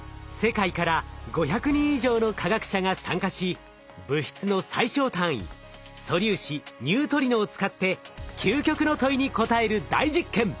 世界から５００人以上の科学者が参加し物質の最小単位素粒子ニュートリノを使って究極の問いに答える大実験。